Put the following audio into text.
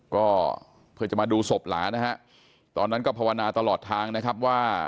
ก็เพื่อจะมาดูศพหลานนะฮะตอนนั้นก็ภาวนาตลอดทางนะครับว่า